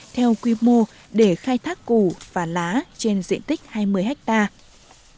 theo quy mô để khai thác củ và lá trên diện tích hai mươi hectare